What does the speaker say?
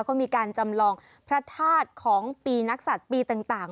ก็มีการจำลองพระธาตุของปีนักศัตริย์ปีต่าง